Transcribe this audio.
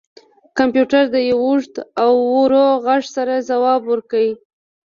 کمپیوټر د یو اوږد او ورو غږ سره ځواب ورکړ